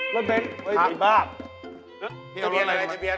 รถเบนท์ไอ้บ้าปที่รถมีอะไรกับมันตรงเบียน